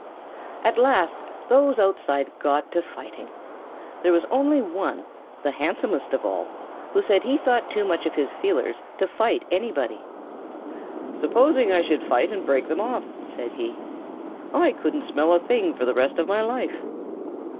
At last those outside got to fighting. There was only one, the handsomest of all, who said he thought too much of his feelers to fight anybody. "Supposing I should fight and break them off," said he. "I couldn't smell a thing for the rest of my life."